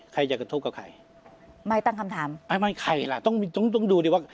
ใครจะกระทบกับใครไม่ตั้งคำถามไม่ใครล่ะต้องต้องดูดิว่า